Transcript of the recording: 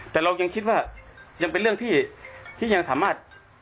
แต่เรายังคิดว่ายังเป็นเรื่องที่ยังสามารถ